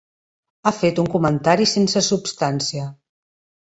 Ha fet un comentari sense substància.